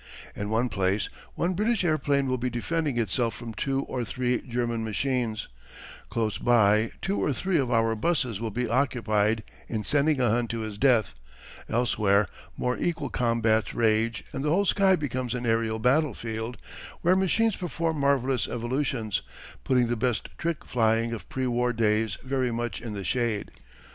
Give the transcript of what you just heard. In one place one British airplane will be defending itself from two or three German machines; close by two or three of our busses will be occupied in sending a Hun to his death; elsewhere more equal combats rage and the whole sky becomes an aërial battlefield, where machines perform marvellous evolutions, putting the best trick flying of pre war days very much in the shade.